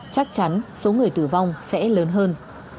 chắc chắn số người tử vong sẽ lớn hơn